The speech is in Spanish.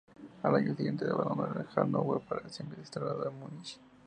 Al año siguiente abandonó Hanóver para siempre y se trasladó a Múnich.